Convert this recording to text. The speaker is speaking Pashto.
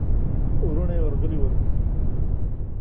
وروڼه يې ورغلي ول.